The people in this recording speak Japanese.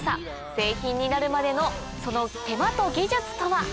製品になるまでのその手間と技術とは。